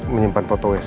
menyimpan foto rsd nya